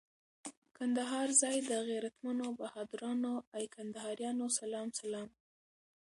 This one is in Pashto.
کندهار ځای د غیرتمنو بهادرانو، ای کندهاریانو سلام سلام